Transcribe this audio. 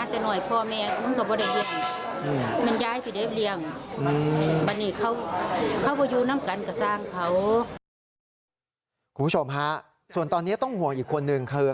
คุณผู้ชมฮะส่วนตอนนี้ต้องห่วงอีกคนนึงคือ